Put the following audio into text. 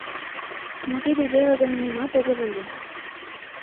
Но тиде веле гын, нимат огыл ыле.